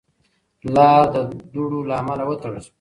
لار د دوړو له امله وتړل شوه.